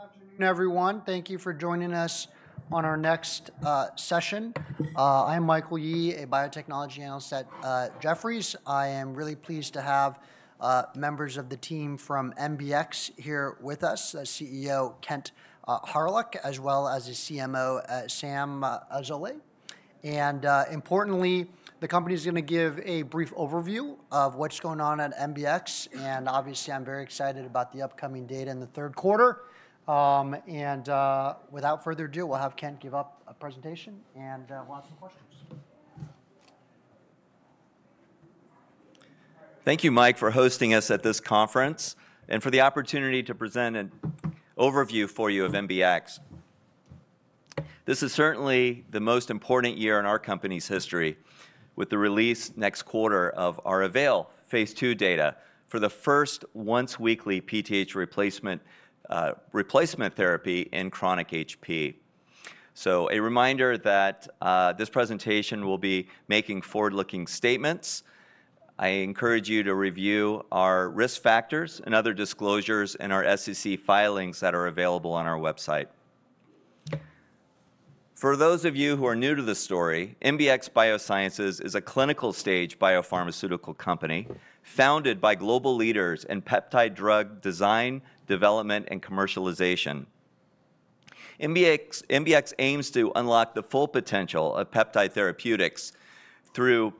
Good afternoon, everyone. Thank you for joining us on our next session. I'm Michael Yi, a biotechnology analyst at Jefferies. I am really pleased to have members of the team from MBX here with us, CEO Kent Hawryluk, as well as the CMO, Sam Azoulay. Importantly, the company is going to give a brief overview of what's going on at MBX. Obviously, I'm very excited about the upcoming data in the third quarter. Without further ado, we'll have Kent give a presentation and we'll have some questions. Thank you, Mike, for hosting us at this conference and for the opportunity to present an overview for you of MBX. This is certainly the most important year in our company's history, with the release next quarter of our AVAIL phase two data for the first once-weekly PTH replacement therapy in chronic HP. A reminder that this presentation will be making forward-looking statements. I encourage you to review our risk factors and other disclosures in our SEC filings that are available on our website. For those of you who are new to the story, MBX Biosciences is a clinical stage biopharmaceutical company founded by global leaders in peptide drug design, development, and commercialization. MBX aims to unlock the full potential of peptide therapeutics through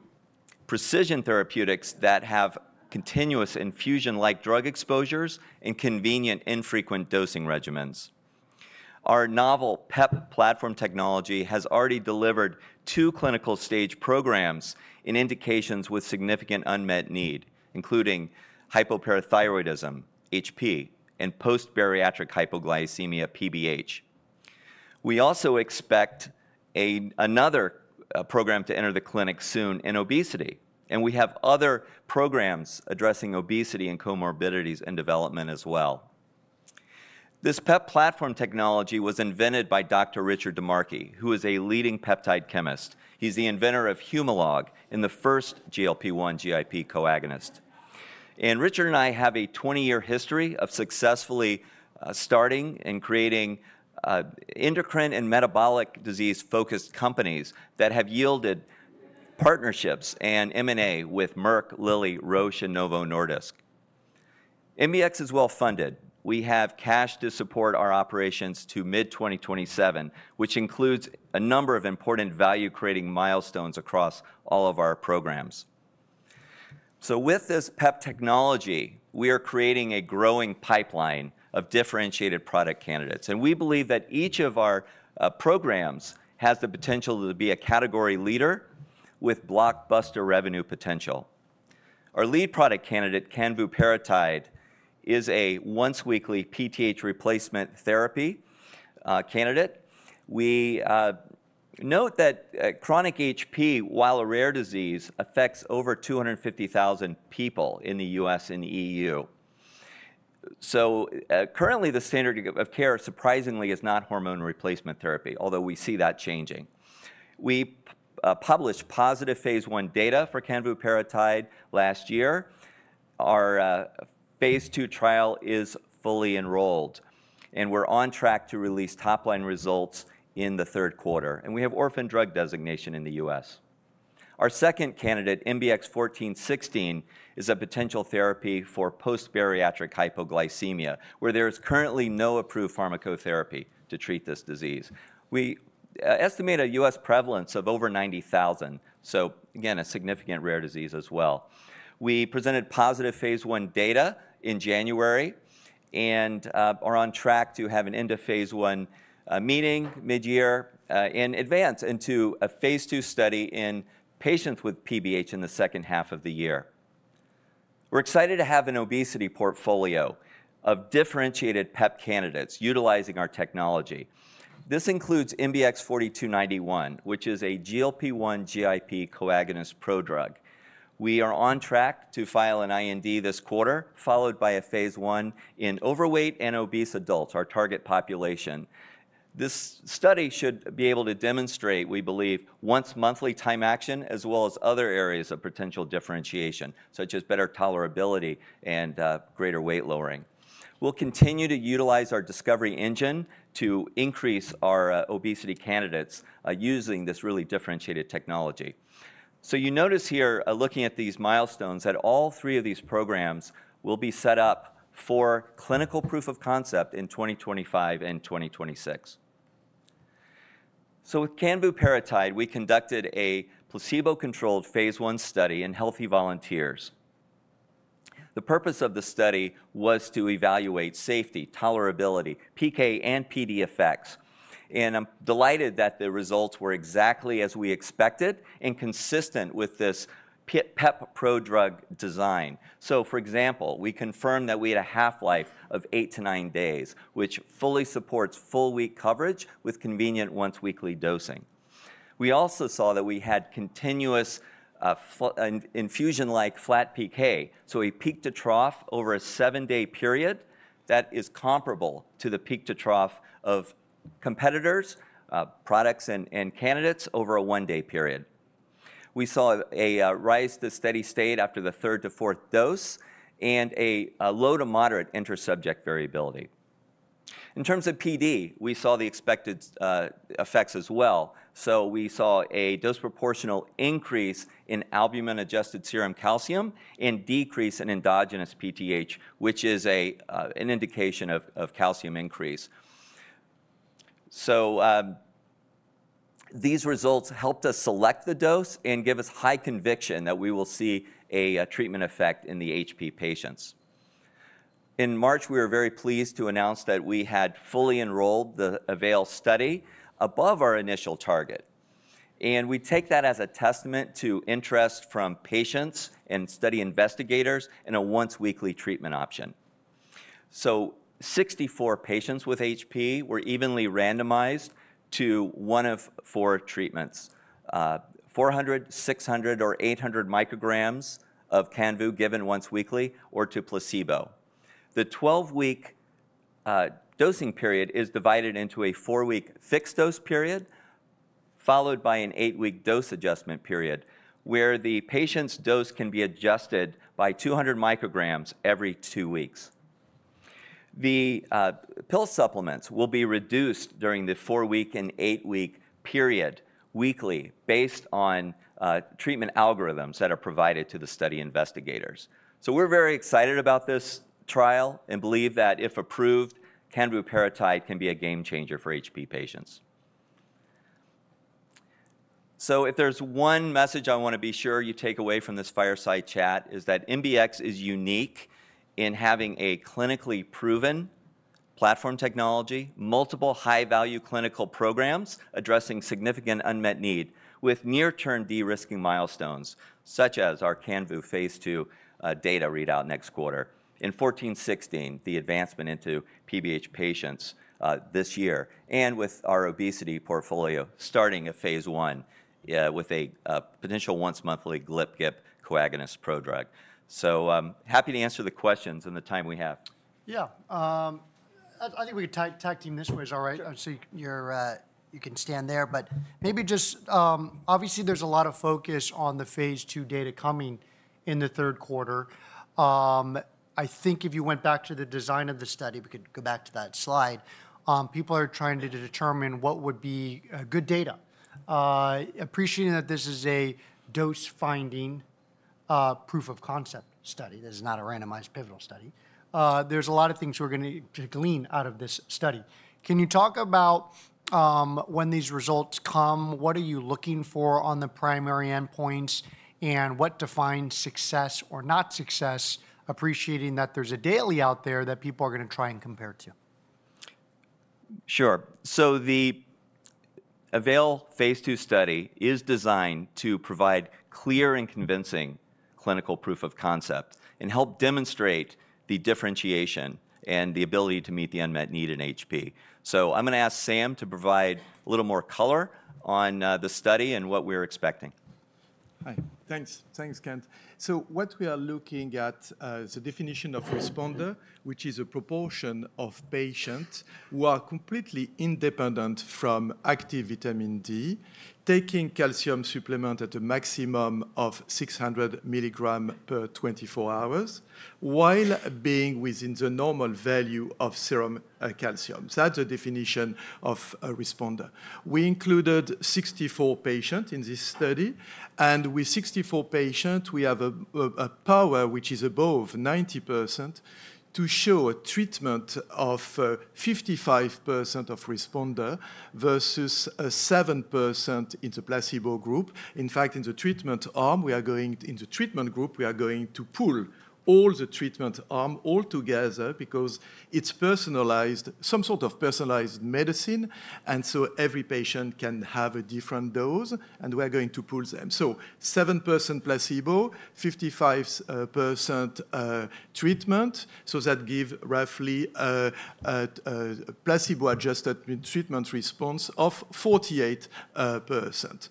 precision therapeutics that have continuous infusion-like drug exposures and convenient, infrequent dosing regimens. Our novel PEP platform technology has already delivered two clinical stage programs in indications with significant unmet need, including hypoparathyroidism, HP, and post-bariatric hypoglycemia, PBH. We also expect another program to enter the clinic soon in obesity. We have other programs addressing obesity and comorbidities in development as well. This PEP platform technology was invented by Dr. Richard DiMarchi, who is a leading peptide chemist. He's the inventor of Humalog and the first GLP-1, GIP co-agonist. Richard and I have a 20-year history of successfully starting and creating endocrine and metabolic disease-focused companies that have yielded partnerships and M&A with Merck, Lilly, Roche, and Novo Nordisk. MBX is well-funded. We have cash to support our operations to mid-2027, which includes a number of important value-creating milestones across all of our programs. With this PEP technology, we are creating a growing pipeline of differentiated product candidates. We believe that each of our programs has the potential to be a category leader with blockbuster revenue potential. Our lead product candidate, canvuparatide, is a once-weekly PTH replacement therapy candidate. We note that chronic HP, while a rare disease, affects over 250,000 people in the U.S. and the E.U. Currently, the standard of care, surprisingly, is not hormone replacement therapy, although we see that changing. We published positive phase one data for canvuparatide last year. Our phase two trial is fully enrolled. We are on track to release top-line results in the third quarter. We have orphan drug designation in the U.S. Our second candidate, MBX 1416, is a potential therapy for post-bariatric hypoglycemia, where there is currently no approved pharmacotherapy to treat this disease. We estimate a U.S. prevalence of over 90,000. Again, a significant rare disease as well. We presented positive phase one data in January and are on track to have an end of phase one meeting mid-year in advance into a phase two study in patients with PBH in the second half of the year. We're excited to have an obesity portfolio of differentiated PEP candidates utilizing our technology. This includes MBX 4291, which is a GLP-1, GIP co-agonist prodrug. We are on track to file an IND this quarter, followed by a phase one in overweight and obese adults, our target population. This study should be able to demonstrate, we believe, once-monthly time action, as well as other areas of potential differentiation, such as better tolerability and greater weight lowering. We'll continue to utilize our discovery engine to increase our obesity candidates using this really differentiated technology. You notice here, looking at these milestones, that all three of these programs will be set up for clinical proof of concept in 2025 and 2026. With canvuparatide, we conducted a placebo-controlled phase one study in healthy volunteers. The purpose of the study was to evaluate safety, tolerability, PK and PD effects. I'm delighted that the results were exactly as we expected and consistent with this PEP prodrug design. For example, we confirmed that we had a half-life of eight to nine days, which fully supports full-week coverage with convenient once-weekly dosing. We also saw that we had continuous infusion-like flat PK. We peaked to trough over a seven-day period that is comparable to the peak to trough of competitors, products, and candidates over a one-day period. We saw a rise to steady state after the third to fourth dose and a low to moderate intersubject variability. In terms of PD, we saw the expected effects as well. We saw a disproportional increase in albumin-adjusted serum calcium and decrease in endogenous PTH, which is an indication of calcium increase. These results helped us select the dose and give us high conviction that we will see a treatment effect in the HP patients. In March, we were very pleased to announce that we had fully enrolled the AVAIL study above our initial target. We take that as a testament to interest from patients and study investigators in a once-weekly treatment option. 64 patients with HP were evenly randomized to one of four treatments: 400, 600, or 800 micrograms of canvu given once weekly or to placebo. The 12-week dosing period is divided into a four-week fixed dose period, followed by an eight-week dose adjustment period, where the patient's dose can be adjusted by 200 micrograms every two weeks. The pill supplements will be reduced during the four-week and eight-week period weekly based on treatment algorithms that are provided to the study investigators. We are very excited about this trial and believe that if approved, canvuparatide can be a game changer for HP patients. If there's one message I want to be sure you take away from this fireside chat, it is that MBX is unique in having a clinically proven platform technology, multiple high-value clinical programs addressing significant unmet need with near-term de-risking milestones, such as our canvu phase two data readout next quarter and 1416, the advancement into PBH patients this year, and with our obesity portfolio starting at phase one with a potential once-monthly GLP/GIP co-agonist prodrug. Happy to answer the questions in the time we have. Yeah. I think we could tag team this way is all right. You can stand there. Maybe just obviously, there is a lot of focus on the phase two data coming in the third quarter. I think if you went back to the design of the study, we could go back to that slide, people are trying to determine what would be good data. Appreciating that this is a dose-finding proof of concept study. This is not a randomized pivotal study. There is a lot of things we are going to glean out of this study. Can you talk about when these results come? What are you looking for on the primary endpoints? What defines success or not success? Appreciating that there is a daily out there that people are going to try and compare to. Sure. The AVAIL phase two study is designed to provide clear and convincing clinical proof of concept and help demonstrate the differentiation and the ability to meet the unmet need in HP. I'm going to ask Sam to provide a little more color on the study and what we're expecting. Hi. Thanks. Thanks, Kent. What we are looking at is a definition of responder, which is a proportion of patients who are completely independent from active vitamin D, taking calcium supplement at a maximum of 600 milligrams per 24 hours while being within the normal value of serum calcium. That is a definition of responder. We included 64 patients in this study. With 64 patients, we have a power, which is above 90%, to show a treatment of 55% of responder versus 7% in the placebo group. In fact, in the treatment arm, we are going into the treatment group, we are going to pool all the treatment arm altogether because it is personalized, some sort of personalized medicine. Every patient can have a different dose. We are going to pool them. 7% placebo, 55% treatment. That gives roughly a placebo-adjusted treatment response of 48%.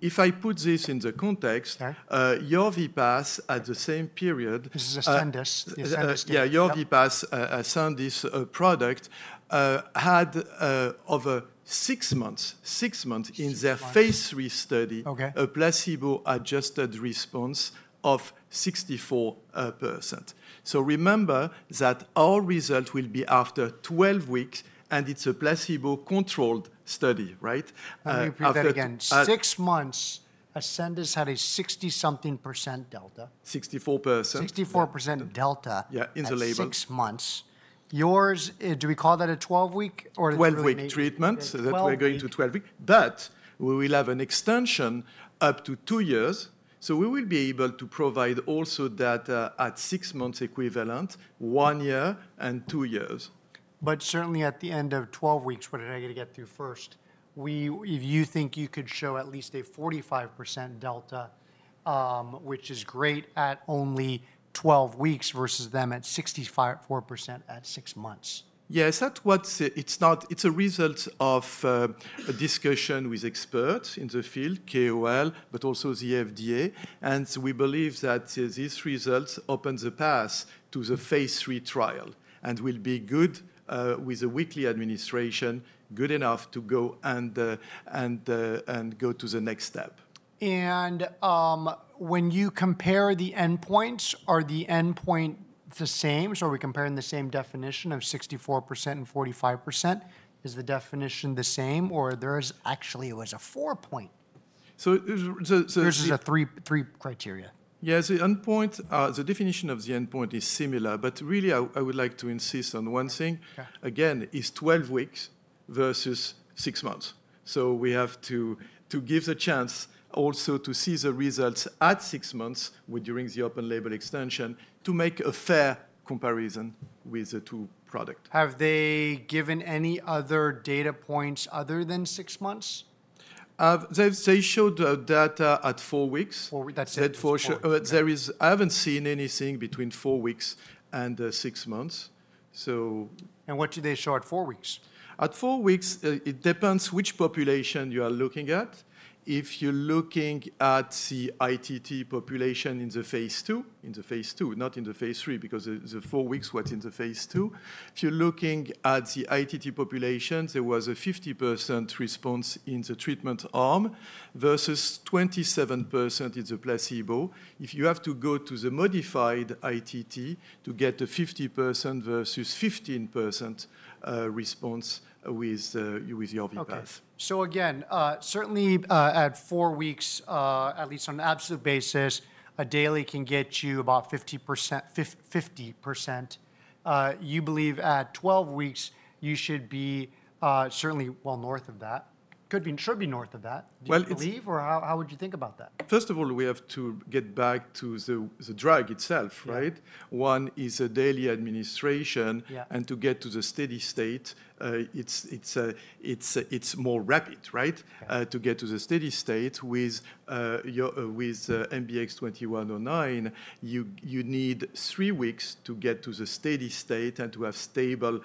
If I put this in the context, Yorvipath, at the same period. This is a SanDisk. Yeah. Yorvipath, a SanDisk of product, had over six months, six months in their phase three study, a placebo-adjusted response of 64%. Remember that our result will be after 12 weeks. And it's a placebo-controlled study, right? Let me repeat that again. Six months, a SanDisk had a 60-something percent delta. 64%. 64% delta. Yeah, in the label. In six months. Yours, do we call that a 12-week or a 12-week? Twelve-week treatment. So that we're going to twelve-week. But we will have an extension up to two years. So we will be able to provide also data at six months equivalent, one year and two years. Certainly at the end of 12 weeks, what did I get to get through first? If you think you could show at least a 45% delta, which is great at only 12 weeks versus them at 64% at six months. Yes. It's a result of a discussion with experts in the field, KOL, but also the FDA. We believe that these results open the path to the phase three trial and will be good with a weekly administration, good enough to go and go to the next step. When you compare the endpoints, are the endpoints the same? Are we comparing the same definition of 64% and 45%? Is the definition the same? Or is there actually a four-point? So there's. There's three criteria. Yeah. The definition of the endpoint is similar. I would like to insist on one thing. Again, it's 12 weeks versus six months. We have to give the chance also to see the results at six months during the open label extension to make a fair comparison with the two products. Have they given any other data points other than six months? They showed data at four weeks. Four weeks. I haven't seen anything between four weeks and six months. What do they show at four weeks? At four weeks, it depends which population you are looking at. If you're looking at the ITT population in the phase two, in the phase two, not in the phase three, because the four weeks was in the phase two. If you're looking at the ITT population, there was a 50% response in the treatment arm versus 27% in the placebo. If you have to go to the modified ITT to get the 50% versus 15% response with Yorvipath. Okay. Certainly at four weeks, at least on an absolute basis, a daily can get you about 50%. You believe at 12 weeks, you should be certainly well north of that. Should be north of that, do you believe? Or how would you think about that? First of all, we have to get back to the drug itself, right? One is a daily administration. To get to the steady state, it's more rapid, right? To get to the steady state with MBX 2109, you need three weeks to get to the steady state and to have stable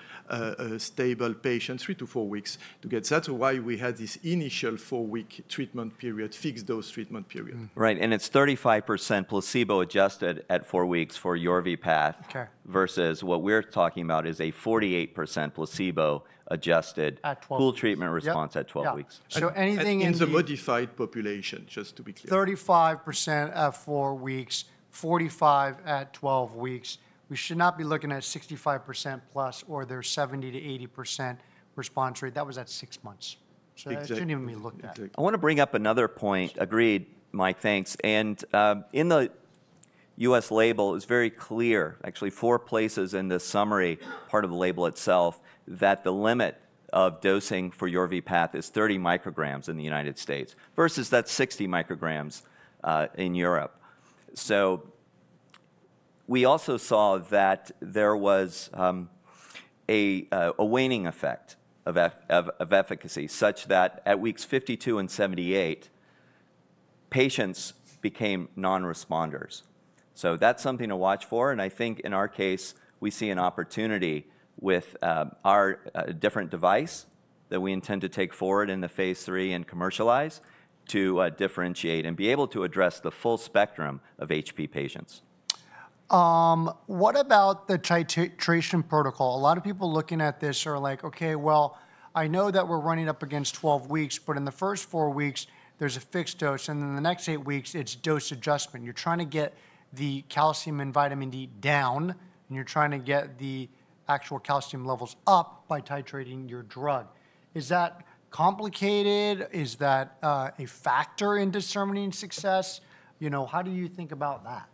patients, three to four weeks to get that. That's why we had this initial four-week treatment period, fixed dose treatment period. Right. And it's 35% placebo-adjusted at four weeks for Yorvipath versus what we're talking about is a 48% placebo-adjusted full treatment response at 12 weeks. Anything in. In the modified population, just to be clear. 35% at four weeks, 45% at 12 weeks. We should not be looking at 65% plus or their 70%-80% response rate. That was at six months. That should not even be looked at. I want to bring up another point. Agreed, Mike. Thanks. In the U.S. label, it was very clear, actually, four places in the summary part of the label itself, that the limit of dosing for Yorvipath is 30 micrograms in the United States versus 60 micrograms in Europe. We also saw that there was a waning effect of efficacy such that at weeks 52 and 78, patients became non-responders. That is something to watch for. I think in our case, we see an opportunity with our different device that we intend to take forward in the phase three and commercialize to differentiate and be able to address the full spectrum of HP patients. What about the titration protocol? A lot of people looking at this are like, "Okay, well, I know that we're running up against 12 weeks, but in the first four weeks, there's a fixed dose. And then the next eight weeks, it's dose adjustment." You're trying to get the calcium and vitamin D down, and you're trying to get the actual calcium levels up by titrating your drug. Is that complicated? Is that a factor in determining success? How do you think about that?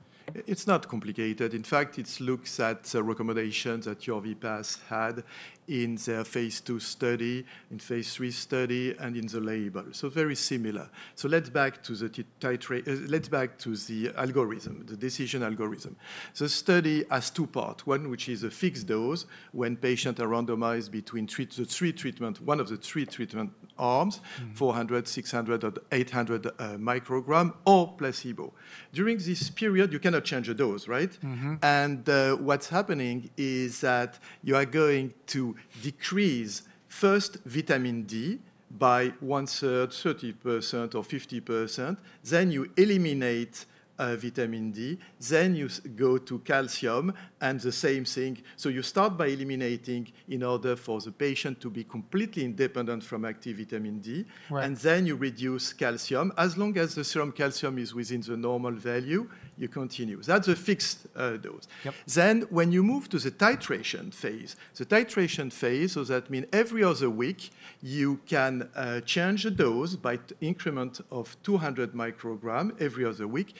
It's not complicated. In fact, it looks at the recommendations that Yorvipath had in their phase two study, in phase three study, and in the label. Very similar. Let's get back to the algorithm, the decision algorithm. The study has two parts. One, which is a fixed dose when patients are randomized between the three treatments, one of the three treatment arms, 400, 600, or 800 micrograms, or placebo. During this period, you cannot change the dose, right? What's happening is that you are going to decrease first vitamin D by one-third, 30%, or 50%. Then you eliminate vitamin D. You go to calcium and the same thing. You start by eliminating in order for the patient to be completely independent from active vitamin D. Then you reduce calcium. As long as the serum calcium is within the normal value, you continue. That's a fixed dose. When you move to the titration phase, the titration phase, that means every other week, you can change the dose by increment of 200 micrograms every other week.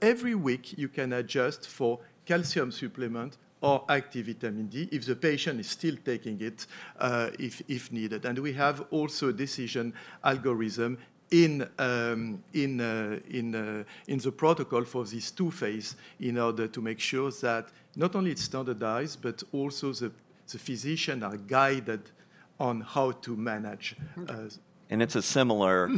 Every week, you can adjust for calcium supplement or active vitamin D if the patient is still taking it if needed. We have also a decision algorithm in the protocol for these two phases in order to make sure that not only it's standardized, but also the physician is guided on how to manage. It's a similar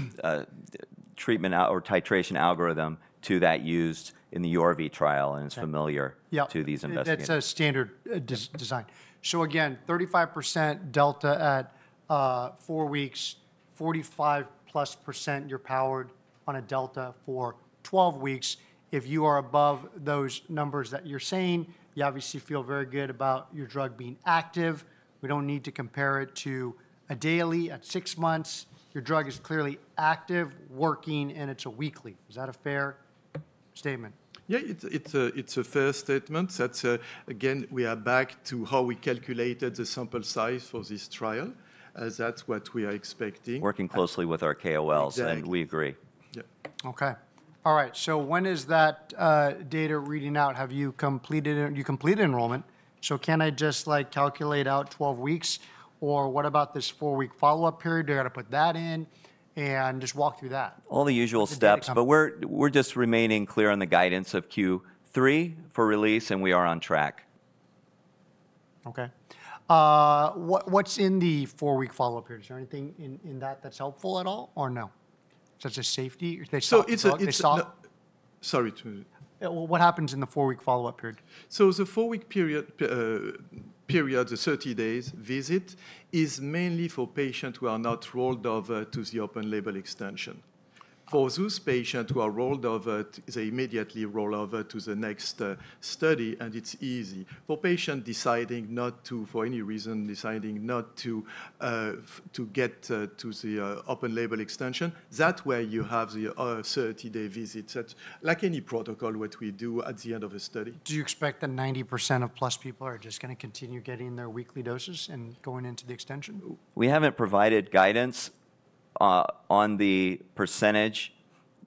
treatment or titration algorithm to that used in the Yorvipath trial and is familiar to these investigators. Yeah. That's a standard design. So again, 35% delta at four weeks, 45% plus, you're powered on a delta for 12 weeks. If you are above those numbers that you're saying, you obviously feel very good about your drug being active. We don't need to compare it to a daily at six months. Your drug is clearly active, working, and it's a weekly. Is that a fair statement? Yeah. It's a fair statement. Again, we are back to how we calculated the sample size for this trial. That's what we are expecting. Working closely with our KOLs. We agree. Yeah. Okay. All right. So when is that data reading out? Have you completed enrollment? So can I just calculate out 12 weeks? Or what about this four-week follow-up period? Do I got to put that in and just walk through that? All the usual steps. We are just remaining clear on the guidance of Q3 for release, and we are on track. Okay. What's in the four-week follow-up period? Is there anything in that that's helpful at all? Or no? Such as safety? It's a. What happens in the four-week follow-up period? The four-week period, the 30-day visit, is mainly for patients who are not rolled over to the open label extension. For those patients who are rolled over, they immediately roll over to the next study, and it's easy. For patients deciding not to, for any reason, deciding not to get to the open label extension, that way you have the 30-day visit. Like any protocol, what we do at the end of a study. Do you expect that 90% of plus people are just going to continue getting their weekly doses and going into the extension? We haven't provided guidance on the percentage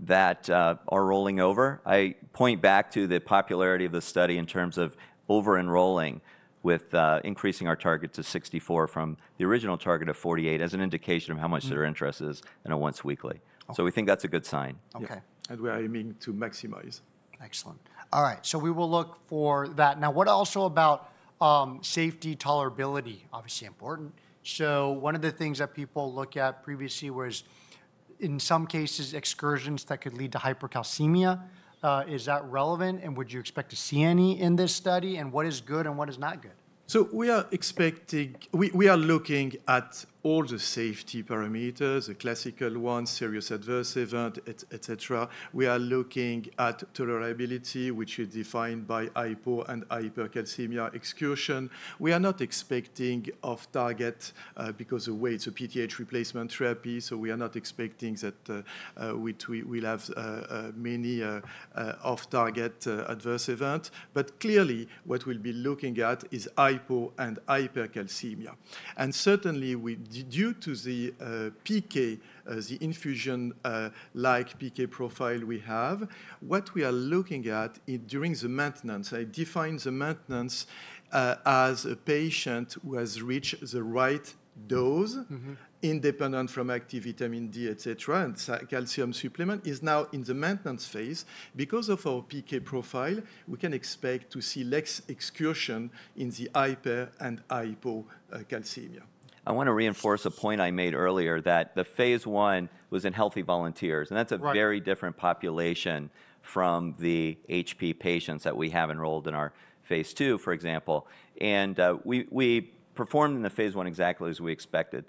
that are rolling over. I point back to the popularity of the study in terms of over-enrolling with increasing our target to 64 from the original target of 48 as an indication of how much their interest is in a once-weekly. We think that's a good sign. Okay. We are aiming to maximize. Excellent. All right. We will look for that. Now, what also about safety tolerability? Obviously important. One of the things that people look at previously was, in some cases, excursions that could lead to hypercalcemia. Is that relevant? Would you expect to see any in this study? What is good and what is not good? We are expecting, we are looking at all the safety parameters, the classical ones, serious adverse event, et cetera. We are looking at tolerability, which is defined by hypocalcemia and hypercalcemia excursion. We are not expecting off-target because of the way it's a PTH replacement therapy. We are not expecting that we will have many off-target adverse events. Clearly, what we'll be looking at is hypocalcemia and hypercalcemia. Certainly, due to the PK, the infusion-like PK profile we have, what we are looking at during the maintenance, I define the maintenance as a patient who has reached the right dose, independent from active vitamin D, et cetera, and calcium supplement, is now in the maintenance phase. Because of our PK profile, we can expect to see less excursion in the hypocalcemia and hypocalcemia. I want to reinforce a point I made earlier that the phase one was in healthy volunteers. That is a very different population from the HP patients that we have enrolled in our phase two, for example. We performed in the phase one exactly as we expected.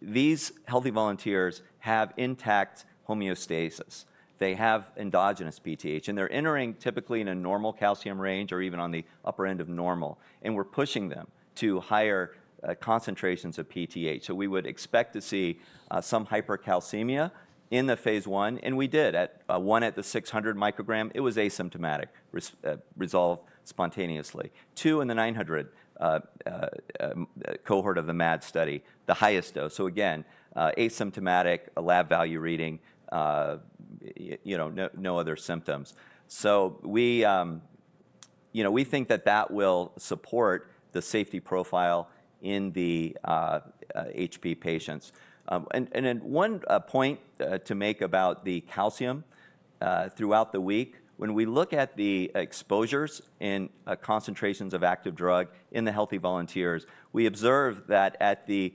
These healthy volunteers have intact homeostasis. They have endogenous PTH. They are entering typically in a normal calcium range or even on the upper end of normal. We are pushing them to higher concentrations of PTH. We would expect to see some hypercalcemia in the phase one. We did. One at the 600 micrograms, it was asymptomatic, resolved spontaneously. Two in the 900 cohort of the MAD study, the highest dose. Again, asymptomatic, a lab value reading, no other symptoms. We think that that will support the safety profile in the HP patients. One point to make about the calcium throughout the week, when we look at the exposures and concentrations of active drug in the healthy volunteers, we observe that at the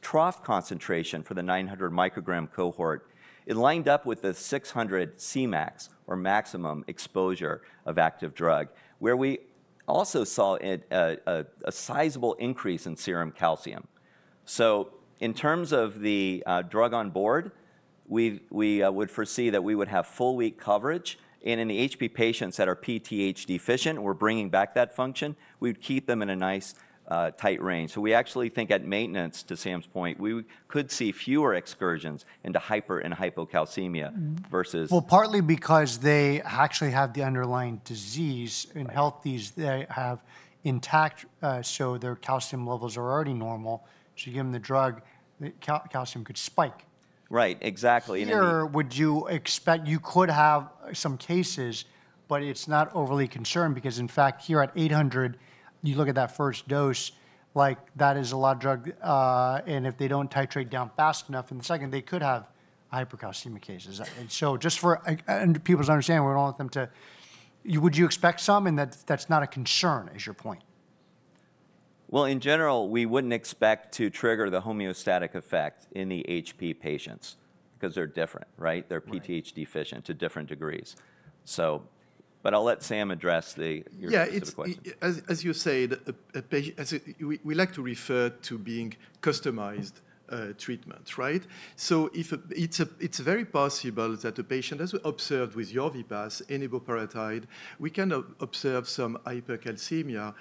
trough concentration for the 900 microgram cohort, it lined up with the 600 Cmax or maximum exposure of active drug, where we also saw a sizable increase in serum calcium. In terms of the drug on board, we would foresee that we would have full week coverage. In the HP patients that are PTH deficient, we're bringing back that function. We'd keep them in a nice tight range. We actually think at maintenance, to Sam's point, we could see fewer excursions into hyper and hypocalcemia versus. Partly because they actually have the underlying disease in healthies. They have intact, so their calcium levels are already normal. So given the drug, the calcium could spike. Right. Exactly. Here, would you expect you could have some cases, but it's not overly concerned because, in fact, here at 800, you look at that first dose, like that is a lot of drug. If they do not titrate down fast enough in the second, they could have hypercalcemia cases. Just for people's understanding, we do not want them to, would you expect some? That is not a concern, is your point. In general, we would not expect to trigger the homeostatic effect in the HP patients because they are different, right? They are PTH deficient to different degrees. I will let Sam address the question. Yeah. As you say, we like to refer to being customized treatments, right? So it's very possible that the patient has observed with Yorvipath, enable paratide, we can observe some hypercalcemia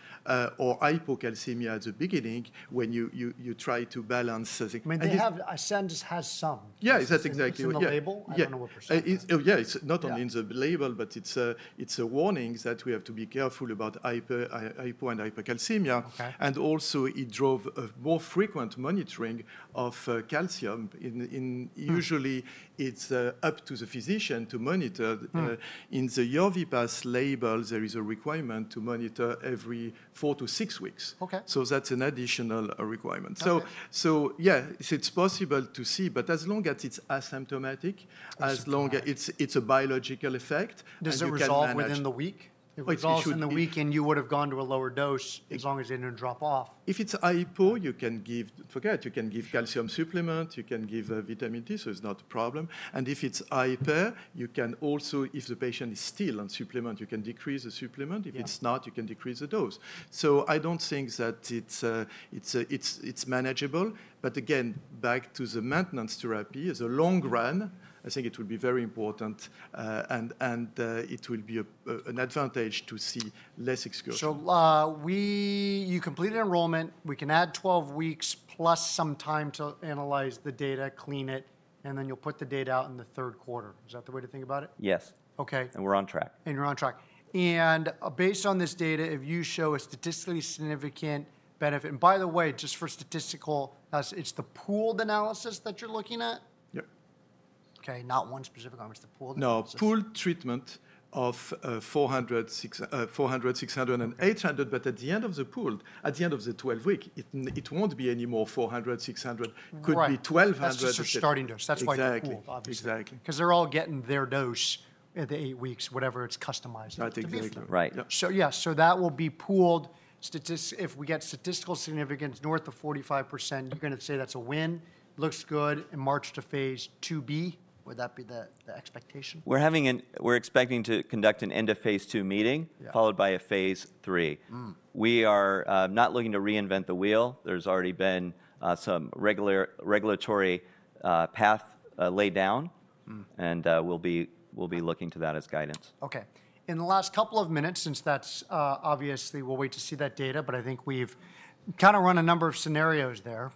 or hypocalcemia at the beginning when you try to balance. I mean, they have a sentence, has some. Yeah. Exactly. Is that on the label? I don't know what percent. Yeah. It's not only in the label, but it's a warning that we have to be careful about hypo and hypercalcemia. And also, it drove a more frequent monitoring of calcium. Usually, it's up to the physician to monitor. In the Yorvipath label, there is a requirement to monitor every four to six weeks. That's an additional requirement. Yeah, it's possible to see. As long as it's asymptomatic, as long as it's a biological effect. Does it resolve within the week? Exactly. If it resolves in the week, and you would have gone to a lower dose as long as it did not drop off. If it's hypo, you can give, forget, you can give calcium supplement. You can give vitamin D, so it's not a problem. And if it's hype, you can also, if the patient is still on supplement, you can decrease the supplement. If it's not, you can decrease the dose. I don't think that it's manageable. Again, back to the maintenance therapy, as a long run, I think it will be very important. It will be an advantage to see less excursion. You complete enrollment. We can add 12 weeks plus some time to analyze the data, clean it, and then you'll put the data out in the third quarter. Is that the way to think about it? Yes. We're on track. You're on track. And based on this data, if you show a statistically significant benefit, and by the way, just for statistical, it's the pooled analysis that you're looking at? Yep. Okay. Not one specific one. It's the pooled analysis. No. Pooled treatment of 400, 600, and 800. At the end of the pool, at the end of the 12-week, it will not be any more 400, 600. It could be 1,200. That's just a starting dose. That's why you're pooled, obviously. Exactly. Because they're all getting their dose at the eight weeks, whatever, it's customized. Right. Exactly. Yeah. That will be pooled. If we get statistical significance north of 45%, you're going to say that's a win. Looks good. March to phase two B, would that be the expectation? We're expecting to conduct an end of phase two meeting followed by a phase three. We are not looking to reinvent the wheel. There's already been some regulatory path laid down. We will be looking to that as guidance. Okay. In the last couple of minutes, since that's obviously, we'll wait to see that data. I think we've kind of run a number of scenarios there.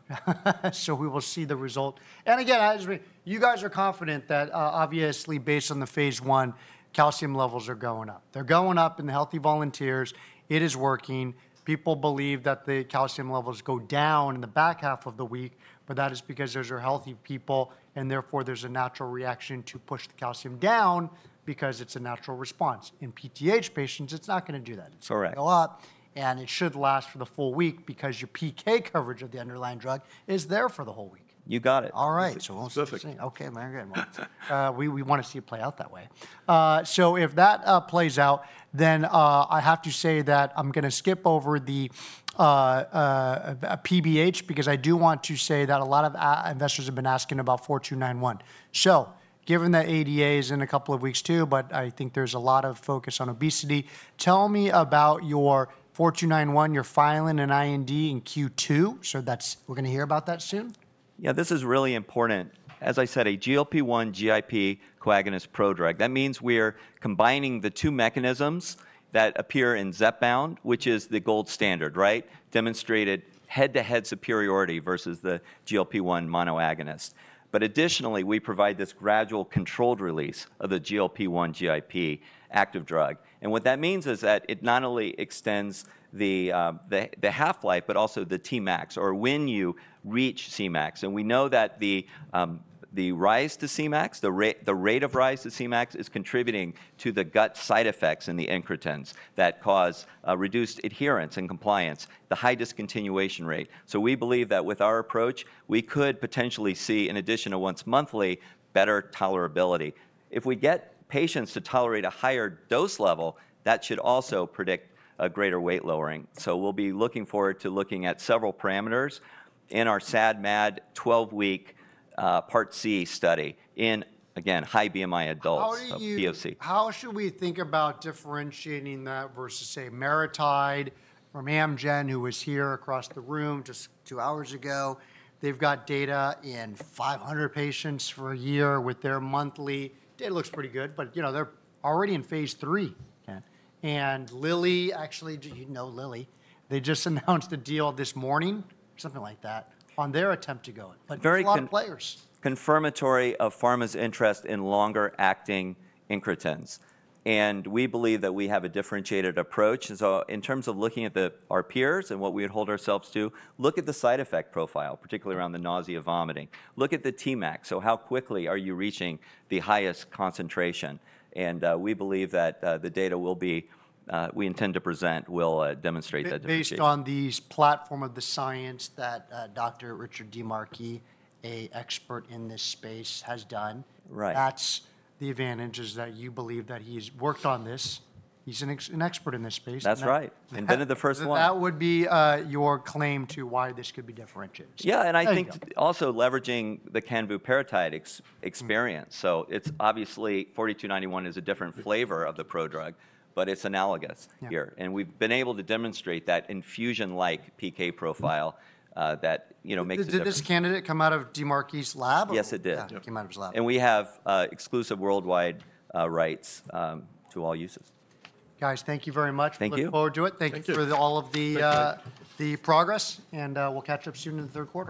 We will see the result. Again, you guys are confident that, obviously, based on the phase one, calcium levels are going up. They're going up in the healthy volunteers. It is working. People believe that the calcium levels go down in the back half of the week. That is because those are healthy people. Therefore, there's a natural reaction to push the calcium down because it's a natural response. In PTH patients, it's not going to do that. That's correct. A lot. It should last for the full week because your PK coverage of the underlying drug is there for the whole week. You got it. All right. Perfect. Okay. Very good. We want to see it play out that way. If that plays out, then I have to say that I'm going to skip over the PBH because I do want to say that a lot of investors have been asking about 4291. Given that ADA is in a couple of weeks too, I think there's a lot of focus on obesity. Tell me about your 4291. You're filing an IND in Q2. We're going to hear about that soon. Yeah. This is really important. As I said, a GLP-1 GIP coagonist prodrug. That means we're combining the two mechanisms that appear in Zepbound, which is the gold standard, right? Demonstrated head-to-head superiority versus the GLP-1 monoagonist. Additionally, we provide this gradual controlled release of the GLP-1 GIP active drug. What that means is that it not only extends the half-life, but also the Tmax or when you reach Cmax. We know that the rise to Cmax, the rate of rise to Cmax is contributing to the gut side effects in the incretins that cause reduced adherence and compliance, the high discontinuation rate. We believe that with our approach, we could potentially see, in addition to once monthly, better tolerability. If we get patients to tolerate a higher dose level, that should also predict a greater weight lowering. We'll be looking forward to looking at several parameters in our SAD-MAD 12-week part C study in, again, high BMI adults of POC. How should we think about differentiating that versus, say, MariTide from Amgen, who was here across the room just two hours ago? They've got data in 500 patients for a year with their monthly. Data looks pretty good. They're already in phase three. Lilly, actually, do you know Lilly? They just announced a deal this morning, something like that, on their attempt to go in. A lot of players. Confirmatory of pharma's interest in longer-acting incretins. We believe that we have a differentiated approach. In terms of looking at our peers and what we would hold ourselves to, look at the side effect profile, particularly around the nausea vomiting. Look at the Tmax. How quickly are you reaching the highest concentration? We believe that the data we intend to present will demonstrate that differentiation. Based on the platform of the science that Dr. Richard DiMarchi, an expert in this space, has done, that's the advantage is that you believe that he's worked on this. He's an expert in this space. That's right. Invented the first one. That would be your claim to why this could be differentiated. Yeah. I think also leveraging the canvuparatide experience. It is obviously 4291 is a different flavor of the prodrug, but it is analogous here. We have been able to demonstrate that infusion-like PK profile that makes it. Did this candidate come out of DiMarchi's lab? Yes, it did. Came out of his lab. We have exclusive worldwide rights to all uses. Guys, thank you very much. Thank you. Looking forward to it. Thank you for all of the progress. We'll catch up soon in the third quarter.